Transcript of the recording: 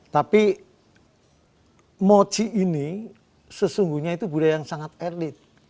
tapi moci ini sesungguhnya itu budaya yang sangat elit